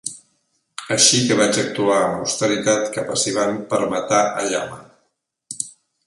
Així que vaig actuar amb austeritat cap a Sivan per matar a Yama.